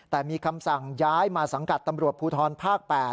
แต่มีคำสั่งย้ายมาสังกัดตำรวจภูทรภาค๘